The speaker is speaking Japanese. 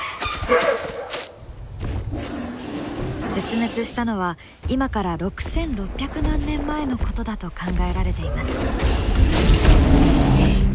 絶滅したのは今から６，６００万年前のことだと考えられています。